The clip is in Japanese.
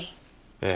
ええ。